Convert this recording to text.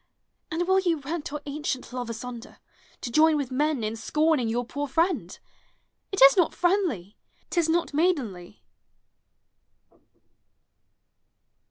And will you rent our ancient love asunder, To join with men in scorning your poor friend? It is not friendly, t is not maidenly.